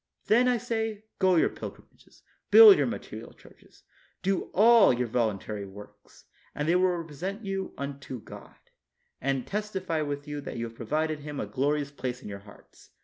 Then, I say, go your pilgrimages, build your material churches, do all your voluntary works ; and they will then represent you unto God, and testify with you that you have provided Him a glorious place in your hearts.